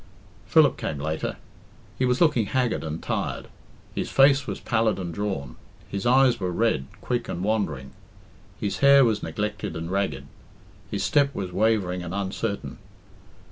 Philip came later. He was looking haggard and tired; his face was pallid and drawn; his eyes were red, quick, and wandering; his hair was neglected and ragged; his step was wavering and uncertain.